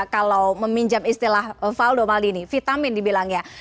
kalau meminjam istilah valdo maldini vitamin dibilangnya